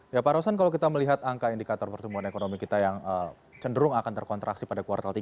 ya pak rosan kalau kita melihat angka indikator pertumbuhan ekonomi kita yang cenderung akan terkontraksi pada kuartal tiga